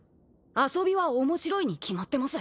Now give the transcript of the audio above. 遊びは面白いに決まってます。